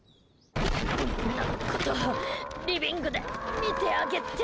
みんなことリビングで見てあげて！